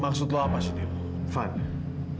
maksud lo apa sih dil